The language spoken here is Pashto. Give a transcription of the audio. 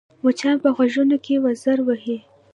مچان په غوږو کې وزر وهي